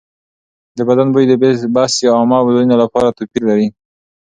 د بدن بوی د بس یا عامه ځایونو لپاره توپیر لري.